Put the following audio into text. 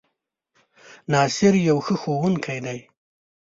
ناصر يو ښۀ ښوونکی دی